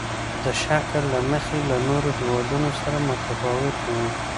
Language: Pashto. د شکل له مخې له نورو هېوادونو سره متفاوت وو.